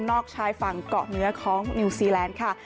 ชายฝั่งเกาะเนื้อของนิวซีแลนด์ค่ะ